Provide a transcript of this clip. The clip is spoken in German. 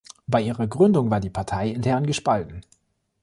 Bei ihrer Gründung war die Partei intern gespalten.